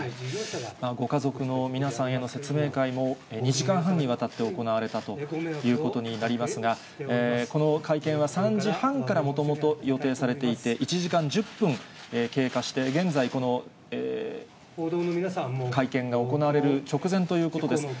ご家族の皆さんへの説明会も、２時間半にわたって行われたということになりますが、この会見は３時半から、もともと予定されていて、１時間１０分経過して、現在、この会見が行われる直前ということです。